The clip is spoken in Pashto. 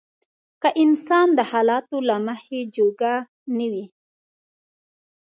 که انسان د حالاتو له مخې جوګه نه وي.